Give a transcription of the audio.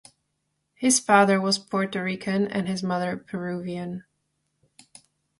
His father was Puerto Rican and his mother Peruvian.